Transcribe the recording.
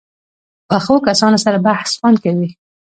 پخو کسانو سره بحث خوند کوي